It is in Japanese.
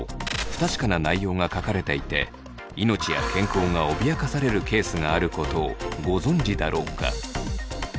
不確かな内容が書かれていて命や健康が脅かされるケースがあることをご存じだろうか。